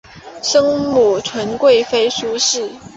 生母纯贵妃苏氏。